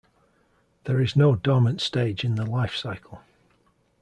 There is no dormant stage in the lifecycle.